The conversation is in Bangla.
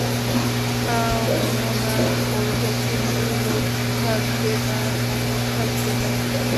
কামনা করব, কিন্তু লোভ থাকবে না, মোহ থাকবে না।